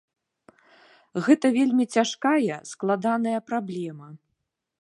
Гэта вельмі цяжкая, складаная праблема.